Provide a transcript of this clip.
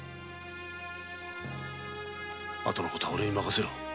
あとのことはおれに任せろ。